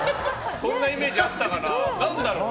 そんなイメージあったかな。